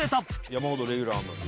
「山ほどレギュラーあるのに」